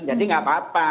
jadi tidak apa apa